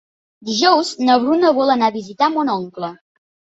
Dijous na Bruna vol anar a visitar mon oncle.